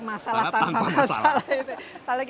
masalah tanpa masalah